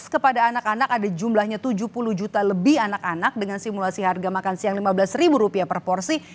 kepada anak anak ada jumlahnya tujuh puluh juta lebih anak anak dengan simulasi harga makan siang lima belas ribu rupiah per porsi